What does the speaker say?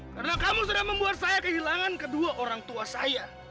karena kamu sudah membuat saya kehilangan kedua orang tua saya